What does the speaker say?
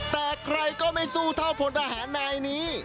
แต่ใครก็ไม่สู้เท่าพลทหารนายนี้